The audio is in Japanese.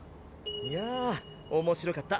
いや面白かった。